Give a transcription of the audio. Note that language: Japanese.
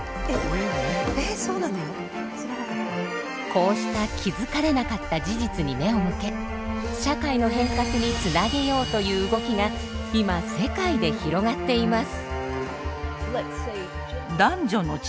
こうした気づかれなかった事実に目を向け社会の変革につなげようという動きが今世界で広がっています。